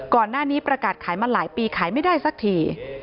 ก่อนหน้านี้ประกาศขายมาหลายปีขายไม่ได้สักที